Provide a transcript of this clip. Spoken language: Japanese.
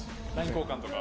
交換とか。